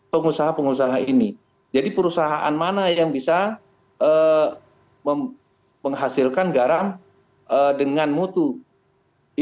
pengusaha pengusaha ini jadi perusahaan mana yang bisa mencapai pengusaha ini perusahaan mana yang bisa mencapai pengusaha ini pengusaha ini